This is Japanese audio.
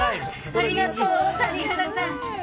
ありがとう、谷原さん。